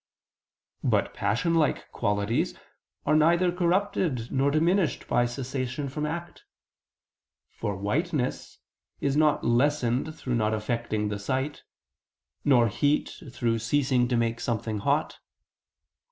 But passion like qualities are neither corrupted nor diminished by cessation from act: for whiteness is not lessened through not affecting the sight, nor heat through ceasing to make something hot.